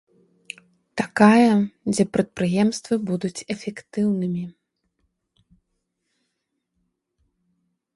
Такая, дзе прадпрыемствы будуць эфектыўнымі.